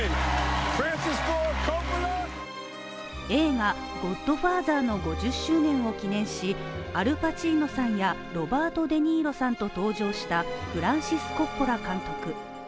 映画「ゴットファーザー」の５０周年を記念しアル・パチーノさんやロバート・デニーロさんと登場したフランシス・コッポラ監督。